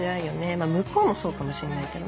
まぁ向こうもそうかもしれないけどね。